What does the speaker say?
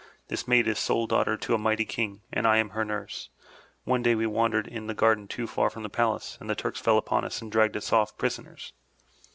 This maid is sole daughter to a mighty king, and I am her nurse. One day we wandered in the garden too far from the palace, and the Turks fell upon us and dragged us off prisoners.